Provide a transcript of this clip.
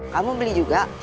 kamu beli juga